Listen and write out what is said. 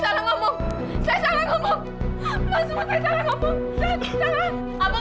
tante yang bikin satria buta